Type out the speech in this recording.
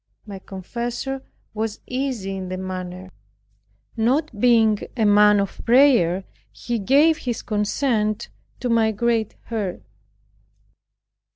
My confessor was easy in the matter. Not being a man of prayer he gave his consent to my great hurt.